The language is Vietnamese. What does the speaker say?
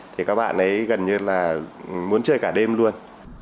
thì các bạn ấy gần như là muốn chơi cả đêm luôn